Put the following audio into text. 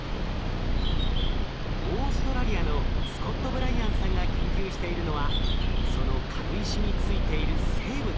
オーストラリアのスコット・ブライアンさんが研究しているのはその軽石についている生物。